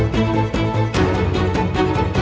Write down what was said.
ที่เมื่อไม่สดบ